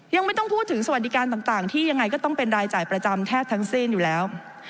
ยังไม่ต้องพูดถึงสวัสดิการต่างที่ยังไงก็ต้องเป็นรายจ่ายประจำแทบทั้งสิ้นอยู่แล้ว